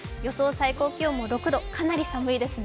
最高気温も６度、かなり寒いですね。